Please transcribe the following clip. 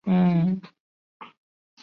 跟他们谈条件